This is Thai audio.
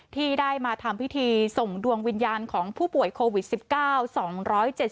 ที่ได้มาทำพิธีส่งดวงวิญญาณของผู้ป่วยโควิด๑๙